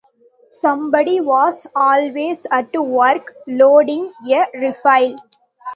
Somebody was always at work loading a rifle.